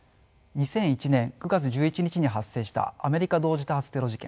２００１年９月１１日に発生したアメリカ同時多発テロ事件